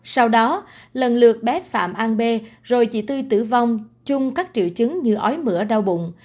sau đó lần lượt bé phạm an bê rồi chị tư tử vong chung các triệu chứng như ói mỡ đau bụng